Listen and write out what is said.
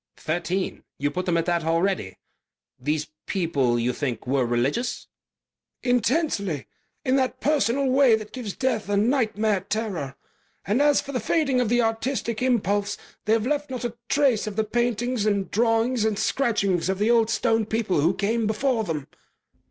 "Thirteen. You put them at that already?... These people, you think, were religious?" "Intensely. In that personal way that gives death a nightmare terror. And as for the fading of the artistic impulse, they've left not a trace of the paintings and drawings and scratchings of the Old Stone people who came before them."